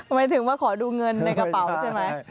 หมายถึงว่าขอดูเงินในกระเป๋าใช่ไหม